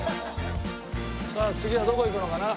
さあ次はどこ行くのかな？